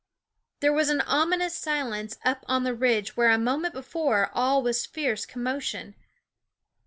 There was an ominous silence up on the ridge where a moment before all was fierce commotion.